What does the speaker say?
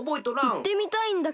いってみたいんだけど。